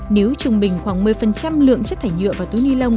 nếu trung bình khoảng một mươi lượng chất thải nhựa và túi ni lông